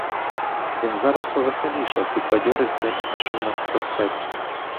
Він зараз повеселішав, підбадьорився і пішов навпростець.